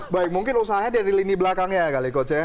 baik mungkin usahanya dari lini belakang ya kali coach ya